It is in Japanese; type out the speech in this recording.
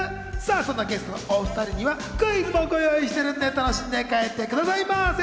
そんなゲストのお２人には、クイズもご用意しているんで楽しんで帰ってくださいませ。